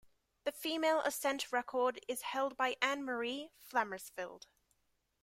The female ascent record is held by Anne-Marie Flammersfeld.